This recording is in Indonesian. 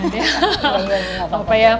gak apa apa ya